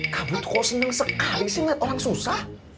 kamu tuh kok seneng sekali sih ngeliat orang susah